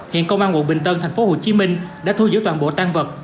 hiện công an quận bình tân thành phố hồ chí minh đã thu giữ toàn bộ tang vật